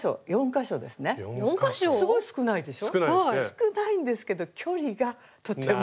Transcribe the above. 少ないんですけど距離がとても。